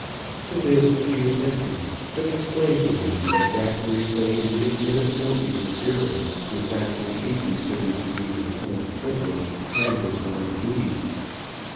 To this she assented, but explained to him that Zachary Fay would admit of no interference with that which he considered to be his own privilege and his own duty.